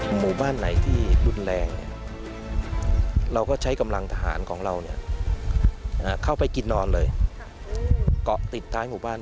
หมู่บ้านไหนที่รุนแรงเราก็ใช้กำลังทหารของเราเข้าไปกินนอนเลยเกาะติดท้ายหมู่บ้าน